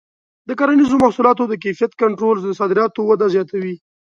د کرنیزو محصولاتو د کیفیت کنټرول د صادراتو وده زیاتوي.